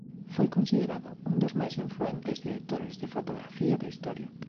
Foi considerado un dos máis influentes directores de fotografía da historia.